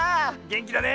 げんきだね！